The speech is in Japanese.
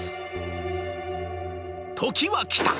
「時は来た！